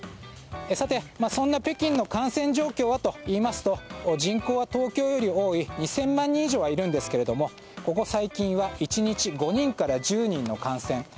さて、そんな北京の感染状況はといいますと人口は東京より多い２０００万人以上はいるんですがここ最近は１日５人から１０人の感染。